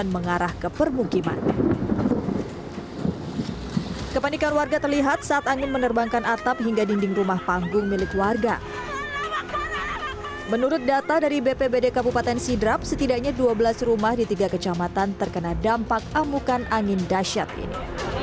menurut data dari bpbd kabupaten sidrap setidaknya dua belas rumah di tiga kecamatan terkena dampak amukan angin dasyat ini